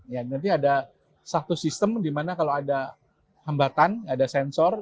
jadi ada satu sistem di mana kalau ada hembatan ada sensor